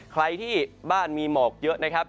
ใครที่บ้านมีหมอกเยอะนะครับ